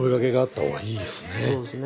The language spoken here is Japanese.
そうですね。